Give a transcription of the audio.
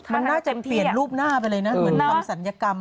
มันน่าจะเปลี่ยนรูปหน้าไปเลยนะเหมือนทำศัลยกรรม